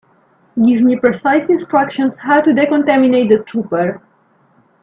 Give me precise instructions how to decontaminate the trooper.